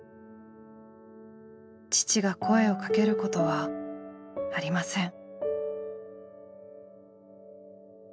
父が声をかけることはありません。